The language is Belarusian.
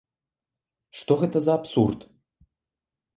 Што гэта за абсурд?